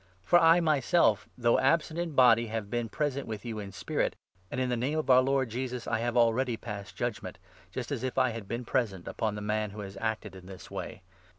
For I myself, though absent in body, 3 have been present with you in spirit, and in the name of our Lord Jesus I have already passed judgement, just as if I had been present, upon the man who has acted in this way.